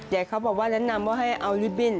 เด็กเขาบอกว่านัดนำว่าให้เอาริบิน